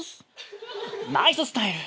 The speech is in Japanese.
ナイススタイル。